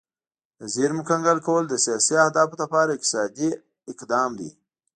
د زیرمو کنګل کول د سیاسي اهدافو لپاره اقتصادي اقدام دی